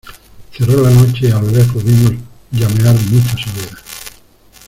cerró la noche y a lo lejos vimos llamear muchas hogueras.